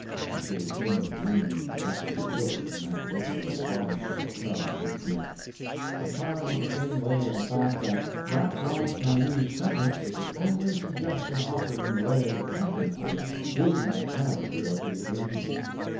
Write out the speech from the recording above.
You should have seen the blooming Gillespie wilt when that literary bombshell fell in his camp! The charm of the thing lay in the fact that that last naive sentence was the only suggestion offered in the way of accounting for the dismal character of the occasion.